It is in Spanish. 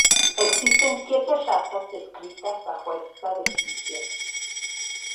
Existen siete razas descritas bajo esta definición.